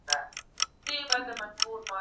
که کاغذ سوزېدلی وي نو لا هم هیله سته.